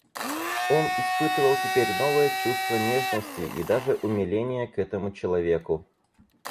Он испытывал теперь новое чувство нежности и даже умиления к этому человеку.